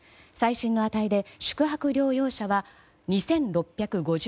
最新の値で宿泊療養者は２６５９人。